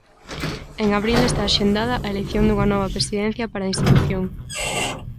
En abril está axendada a elección dunha nova presidencia para a institución.